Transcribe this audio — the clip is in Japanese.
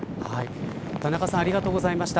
田中さんありがとうございました。